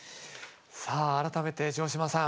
さあ改めて城島さん。